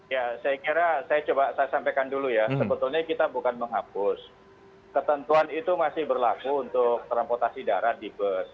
ya saya kira saya coba saya sampaikan dulu ya sebetulnya kita bukan menghapus ketentuan itu masih berlaku untuk transportasi darat di bus